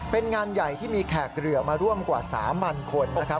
เป็นงานใหญ่ที่มีแขกเหลือร่วมมากว่าสามพันคนนะครับ